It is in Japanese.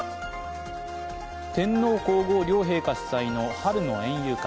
天皇皇后両陛下主催の春の園遊会。